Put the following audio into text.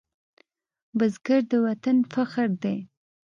بزګر د وطن فخر دی